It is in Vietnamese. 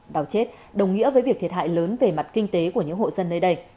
đào chết đồng nghĩa với việc thiệt hại lớn về mặt kinh tế của những hộ dân nơi đây